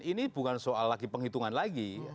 ini bukan soal lagi penghitungan lagi